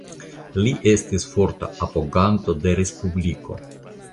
Li estis forta apoganto de respubliko.